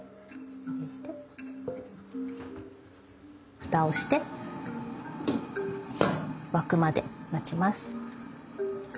蓋をして沸くまで待ちます。